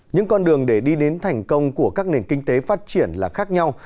những con đường để đi đến thành công của các nền kinh tế phát triển là khác nhau